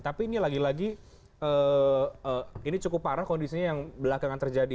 tapi ini lagi lagi ini cukup parah kondisinya yang belakangan terjadi